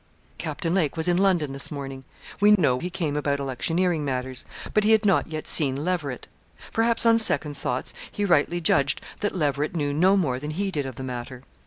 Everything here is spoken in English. Captain Lake was in London this morning. We know he came about electioneering matters; but he had not yet seen Leverett. Perhaps on second thoughts he rightly judged that Leverett knew no more than he did of the matter.